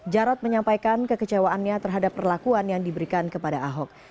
jarod menyampaikan kekecewaannya terhadap perlakuan yang diberikan kepada ahok